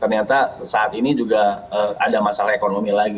ternyata juga kondisinya tingkat hayatnya juga ada masalah ekonomi lagi